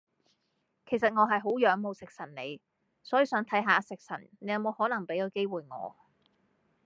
其實我係好仰慕食神你，所以想睇嚇食神你有冇可能畀個機會我